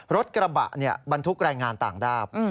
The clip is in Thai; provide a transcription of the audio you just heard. รถกระบะเนี่ยบรรทุกรายงานต่างด้าบ